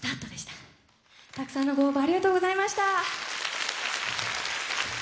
たくさんのご応募ありがとうございました。